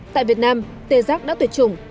tại việt nam tê giác đã tuyệt chủng